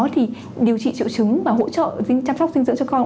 thì điều trị triệu chứng và hỗ trợ chăm sóc dinh dưỡng cho con